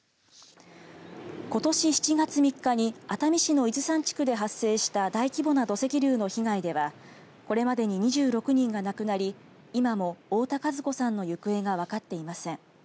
ことし７月３日に熱海市の伊豆山地区で発生した大規模な土石流の被害ではこれまでに２６人が亡くなり今も太田和子さんの行方が分かっていません。